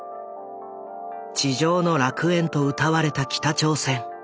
「地上の楽園」とうたわれた北朝鮮。